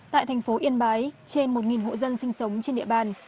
tại thành phố yên bái trên một hộ dân sinh sống trên địa bàn